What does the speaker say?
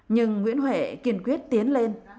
nhưng nguyễn huệ kiên quyết tiến lên